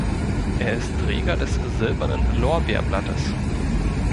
Er ist Träger des Silbernen Lorbeerblattes.